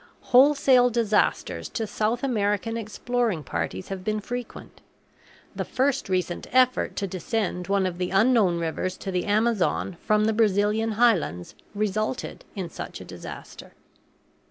Wholesale disasters to South American exploring parties have been frequent. The first recent effort to descend one of the unknown rivers to the Amazon from the Brazilian highlands resulted in such a disaster.